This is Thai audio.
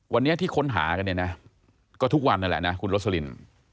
วันนี้ที่ค้นหากันเนี่ยนะก็ทุกวันนั่นแหละนะคุณโรสลิน